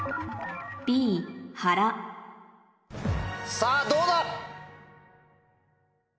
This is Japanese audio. さぁどうだ？